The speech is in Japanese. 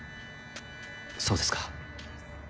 そうですか。